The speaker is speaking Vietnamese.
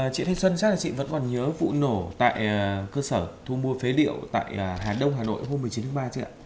chị thanh xuân chắc là chị vẫn còn nhớ vụ nổ tại cơ sở thu mua phế liệu tại hà đông hà nội hôm một mươi chín tháng ba chưa ạ